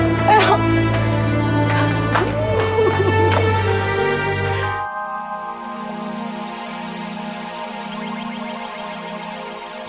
kalau mau aku mau meleset